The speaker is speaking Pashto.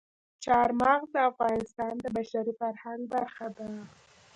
چار مغز د افغانستان د بشري فرهنګ برخه ده.